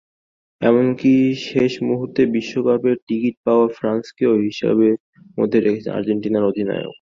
এমনকি শেষ মুহূর্তে বিশ্বকাপের টিকিট পাওয়া ফ্রান্সকেও হিসাবের মধ্যে রেখেছেন আর্জেন্টিনা অধিনায়ক।